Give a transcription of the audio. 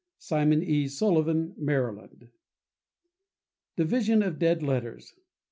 —Simon E. Sullivan, Maryland. Division of Dead Letters.